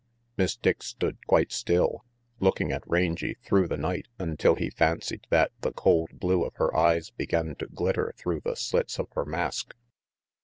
Miss Dick stood quite still, looking at Rangy through the night until he fancied that the cold RANGY PETE 161 blue of her eyes began to glitter through the slits of her mask.